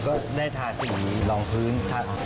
ก็ได้ทาสีรองพื้น